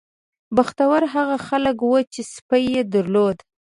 بختور هغه خلک وو چې سپی یې درلود.